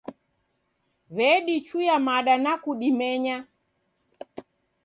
W'edichuya mada na kudimenya.